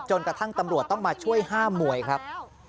จนกระทั่งตำรวจต้องมาช่วยห้ามวยครับ